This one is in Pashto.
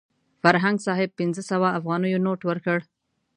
فرهنګ صاحب پنځه سوه افغانیو نوټ ورکړ.